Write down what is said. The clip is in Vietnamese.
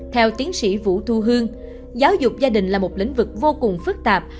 theo tiến sĩ vũ thu hương giáo dục gia đình là một lĩnh vực vô cùng phức tạp